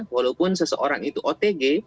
walaupun seseorang itu otg